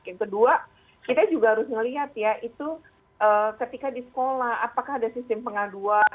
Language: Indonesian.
yang kedua kita juga harus melihat ya itu ketika di sekolah apakah ada sistem pengaduan